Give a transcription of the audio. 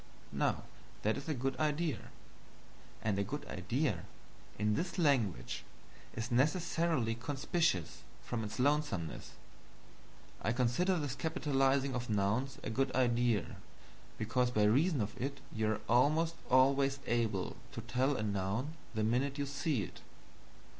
Now that is a good idea; and a good idea, in this language, is necessarily conspicuous from its lonesomeness. I consider this capitalizing of nouns a good idea, because by reason of it you are almost always able to tell a noun the minute you see it.